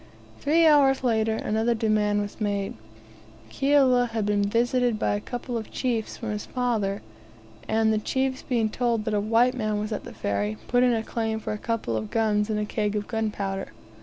Three hours later another demand was made. Kiala had been visited by a couple of chiefs from his father; and the chiefs being told that a white man was at the ferry, put in a claim for a couple of guns and a keg of gunpowder.